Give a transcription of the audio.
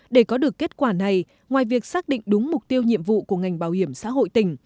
để có được kết quả này ngoài việc xác định đúng mục tiêu nhiệm vụ của ngành bảo hiểm xã hội tỉnh